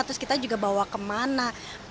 terus kita juga bawa ke mana